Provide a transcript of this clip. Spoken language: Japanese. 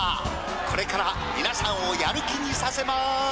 これからみなさんをやる気にさせます！